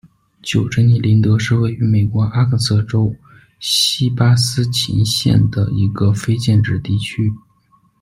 旧珍妮林德是位于美国阿肯色州锡巴斯琴县的一个非建制地区。